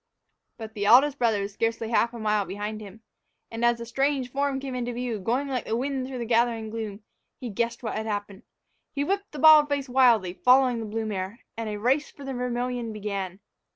But the eldest brother was scarcely a half mile behind him. And, as the strange form came into view, going like the wind through the gathering gloom, he guessed what had happened. He whipped the bald face wildly, following the blue mare. And a race for the Vermillion began!